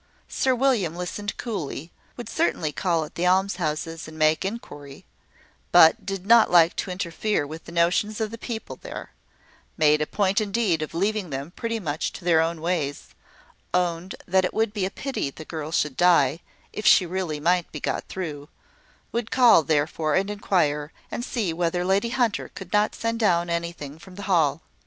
Sir William listened coolly, would certainly call at the almshouses and make inquiry; but did not like to interfere with the notions of the people there: made a point indeed of leaving them pretty much to their own ways; owned that it would be a pity the girl should die, if she really might be got through; would call, therefore, and inquire, and see whether Lady Hunter could not send down anything from the Hall.